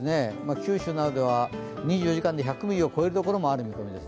九州などでは２４時間で１００ミリを超えるところもある見込みです。